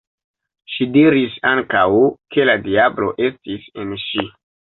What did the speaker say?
Ŝi diris ankaŭ, ke la diablo estis en ŝi.